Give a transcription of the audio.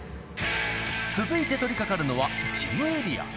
続いて取りかかるのは事務エリア。